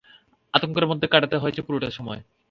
আতঙ্কের মধ্যে কাটাতে হয়েছে পুরোটা সময়।